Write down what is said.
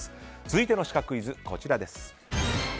続いてのシカクイズはこちら。